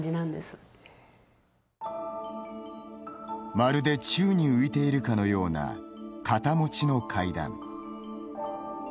まるで宙に浮いているかのような片持ちの階段。